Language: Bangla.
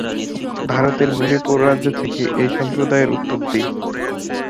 ভারতের মণিপুর রাজ্য থেকে এই সম্প্রদায়ের উৎপত্তি।